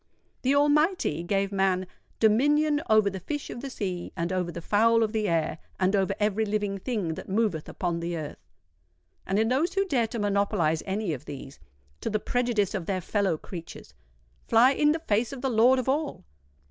The Almighty gave man "dominion over the fish of the sea, and over the fowl of the air, and over every living thing that moveth upon the earth;" and those who dare to monopolise any of these, to the prejudice of their fellow creatures, fly in the face of the Lord of all!